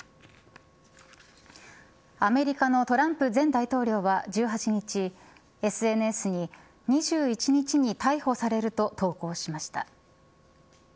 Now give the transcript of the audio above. アメリカのトランプ前大統領は１８日ＳＮＳに、２１日に逮捕されると投稿しました。